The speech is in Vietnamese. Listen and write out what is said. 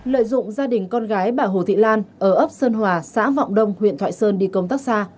lợi dụng gia đình con gái bà hồ thị lan ở ấp sơn hòa xã vọng đông huyện thoại sơn đi công tác xa